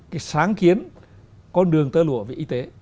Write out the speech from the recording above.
cái sáng kiến con đường tơ lụa về y tế